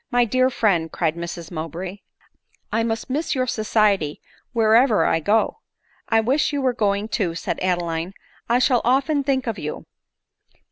" My dear friend," cried Mrs Mowbray, " I must miss your society wherever I go." " I wish you were going too," said Adeline ;" I shall often think of you."